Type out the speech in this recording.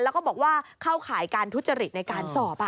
แล้วก็บอกว่าเข้าข่ายการทุจริตในการสอบ